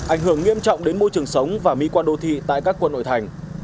ảnh hưởng nghiêm trọng đến môi trường sống và mỹ quan đô thị tại các quận nội thành